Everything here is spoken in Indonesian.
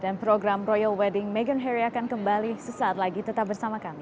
dan program royal wedding meghan harry akan kembali sesaat lagi tetap bersama kami